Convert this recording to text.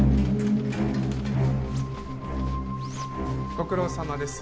ご苦労さまです。